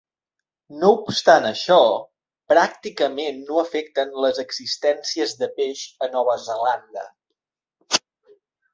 No obstant això, pràcticament no afecten les existències de peix a Nova Zelanda.